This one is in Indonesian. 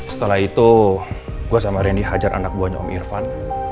setelah itu gue sama reni hajar anak buahnya om irfan